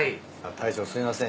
大将すいません。